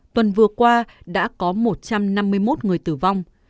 tuần vừa qua đã có một trăm năm mươi bệnh nhân covid một mươi chín